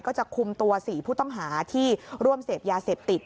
ก็จะคุมตัว๔ผู้ต้องหาที่ร่วมเสพยาเสพติด